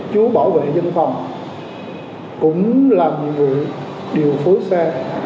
hai chú bảo vệ dân phòng cũng làm nhiều điều phối xe